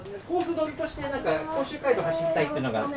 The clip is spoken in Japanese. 取りとして甲州街道走りたいっていうのがあって。